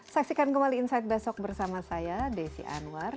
saksikan kembali insight besok bersama saya desi anwar